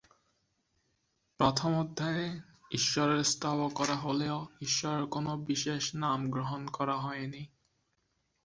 প্রথম অধ্যায়ে ঈশ্বরের স্তব করা হলেও, ঈশ্বরের কোনো বিশেষ নাম গ্রহণ করা হয়নি।